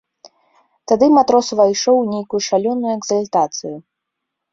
Тады матрос увайшоў у нейкую шалёную экзальтацыю.